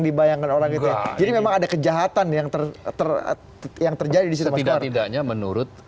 dibayangkan orang itu jadi memang ada kejahatan yang teratut yang terjadi disitu tidaknya menurut saya